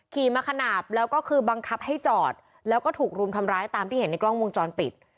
ขี่มาขนาดแล้วก็คือบังคับให้จอดแล้วก็ถูกรุมทำร้ายตามที่เห็นในกล้องวงจรปิด